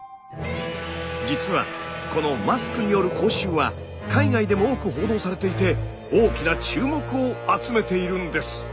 実はこのマスクによる口臭は海外でも多く報道されていて大きな注目を集めているんです。